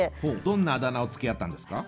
どんなあだ名を付け合ったんですか？